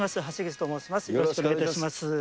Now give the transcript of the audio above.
よろしくお願いします。